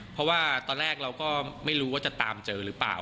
เพราะว่าตอนแรกเราก็ไม่รู้ว่าจะตามเจอหรือเปล่า